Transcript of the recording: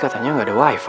katanya gak ada wifi